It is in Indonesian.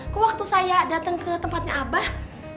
kok waktu saya datang ke tempatnya abah